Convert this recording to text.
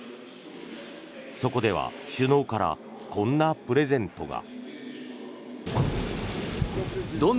そこでは首脳からこんなプレゼントが。